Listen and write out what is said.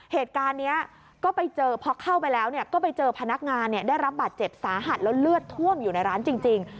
เหตุการณ์นี้ก็ไปเจอพอเข้าไปแล้วก็ไปเจอพนักงานได้รับบาดเจ็บสาหัสแล้วเลือดท่วมอยู่ในร้านจริง